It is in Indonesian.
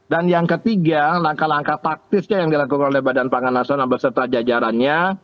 dan yang ketiga langkah langkah taktisnya yang dilakukan oleh badan pangan nasional beserta jajarannya